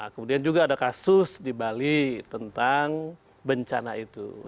kemudian juga ada kasus di bali tentang bencana itu